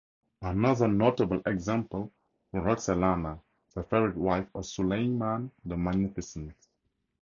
Another notable example was Roxelana, the favourite wife of Suleiman the Magnificent.